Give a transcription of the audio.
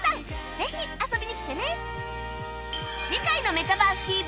ぜひ遊びに来てね